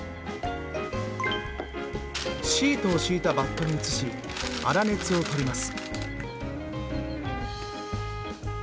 シートを敷いたバットに移し粗熱を取ります。